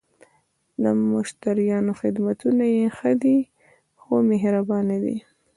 د مشتریانو خدمتونه یی ښه ده؟ هو، مهربانه دي